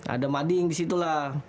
ada mading disitulah